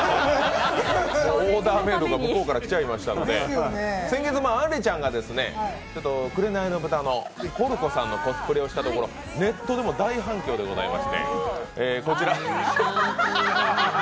オーダーメイドが向こうから来ちゃいましたけど先月、あんりちゃんが「紅の豚」のポルコさんのコスプレをしたところネットでも大反響でございまして、こちら。